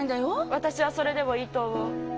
私はそれでもいいと思う。